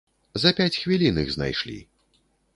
За пяць хвілін іх знайшлі.